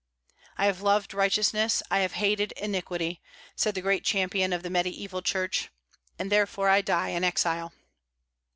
"I have loved righteousness, I have hated iniquity," said the great champion of the Mediaeval Church, "and therefore I die in exile."